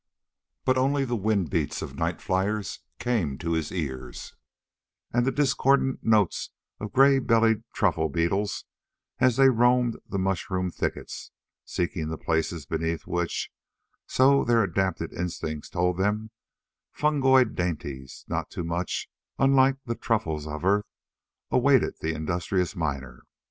But only the wind beats of night fliers came to his ears, and the discordant notes of gray bellied truffle beetles as they roamed the mushroom thickets, seeking the places beneath which so their adapted instincts told them fungoid dainties, not too much unlike the truffles of Earth, awaited the industrious miner.